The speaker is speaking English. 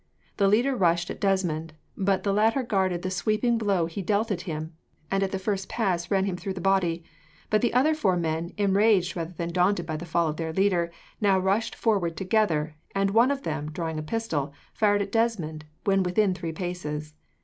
The leader rushed at Desmond, but the latter guarded the sweeping blow he dealt at him, and at the first pass ran him through the body; but the other four men, enraged rather than daunted by the fall of their leader, now rushed forward together, and one of them, drawing a pistol, fired at Desmond when within three paces.